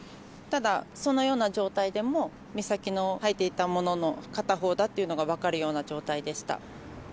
ただ、そのような状態でも、美咲の履いていたものの片方だというのが分かるような状態でした。